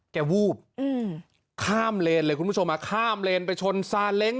วูบข้ามเลนเลยคุณผู้ชมข้ามเลนไปชนซาเล้ง